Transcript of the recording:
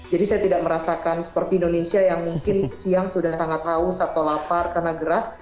jadi saya tidak merasakan seperti indonesia yang mungkin siang sudah sangat haus atau lapar karena gerah